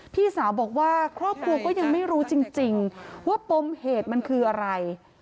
พี่สาวบอกว่าครอบครัวก็ยังไม่รู้จริงว่าปมเหตุมันคืออะไร